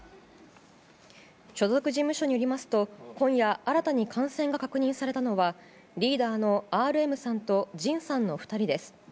所属事務所によりますと今夜新たに感染が確認されたのはリーダーのＲＭさんとＪＩＮさんの２人です。